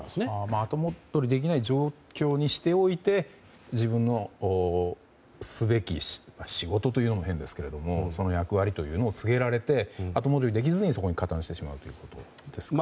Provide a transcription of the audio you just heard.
後戻りできない状況にしておいて自分のすべき仕事というのも変ですがその役割を告げられて後戻りできずにそこに加担してしまうということですね。